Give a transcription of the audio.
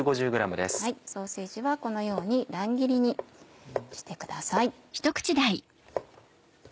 ソーセージはこのように乱切りにしてください。